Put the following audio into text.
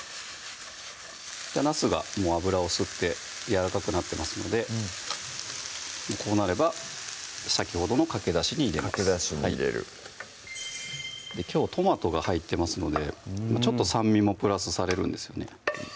なすが油を吸ってやわらかくなってますのでこうなれば先ほどのかけだしに入れますかけだしに入れるきょうトマトが入ってますのでちょっと酸味もプラスされるんですよね